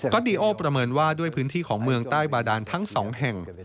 ก็ดีโอประเมินว่าด้วยพื้นที่ของเมืองใต้บาดานทั้งสองแห่ง